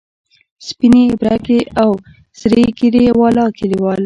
سپینې، برګې او سرې ږیرې والا کلیوال.